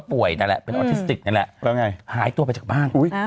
ป่วยนั่นแหละเป็นออทิสติกนั่นแหละหายตัวไปจากบ้าน